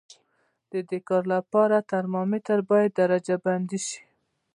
د دې کار لپاره ترمامتر باید درجه بندي شي.